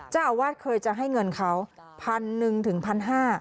เจ้าอาวาสเคยจะให้เงินเขาพันหนึ่งถึงพันห้า